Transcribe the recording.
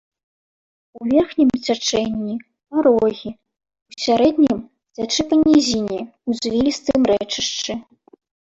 У верхнім цячэнні парогі, у сярэднім цячэ па нізіне ў звілістым рэчышчы.